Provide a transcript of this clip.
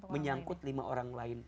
menyangkut lima orang lain